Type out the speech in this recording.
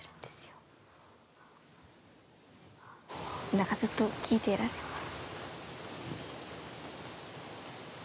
なんかずっと聞いてられます。